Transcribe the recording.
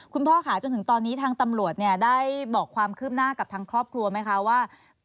คุณพ่อค่ะจนถึงตอนนี้ทางตำรวจเนี่ยได้บอกความคืบหน้ากับทางครอบครัวไหมคะว่า